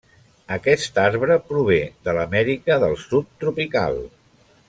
Aquest arbre prové de l'Amèrica del Sud tropical.